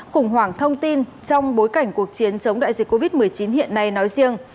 khủng hoảng thông tin trong bối cảnh cuộc chiến chống đại dịch covid một mươi chín hiện nay nói riêng